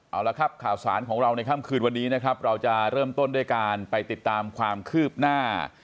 เอาละครับข่าวสารของเราในค่ำคืนวันนี้นะครับเราจะเริ่มต้นด้วยการไปติดตามความคืบหน้า